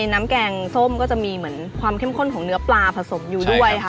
น้ำแกงส้มก็จะมีเหมือนความเข้มข้นของเนื้อปลาผสมอยู่ด้วยค่ะ